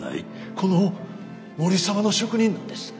この森澤の職人なんです。